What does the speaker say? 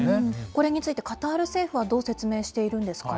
これについてカタール政府はどう説明しているんですか。